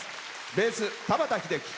ベース、田畑秀樹。